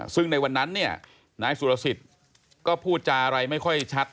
ซึ่งในวันนั้นเนี่ยนายสุรสิทธิ์ก็พูดจาอะไรไม่ค่อยชัด